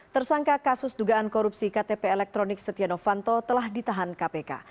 tersangka kasus dugaan korupsi ktp elektronik setia novanto telah ditahan kpk